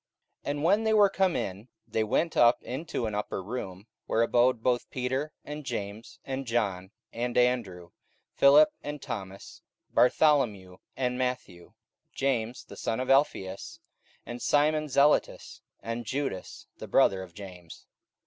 44:001:013 And when they were come in, they went up into an upper room, where abode both Peter, and James, and John, and Andrew, Philip, and Thomas, Bartholomew, and Matthew, James the son of Alphaeus, and Simon Zelotes, and Judas the brother of James.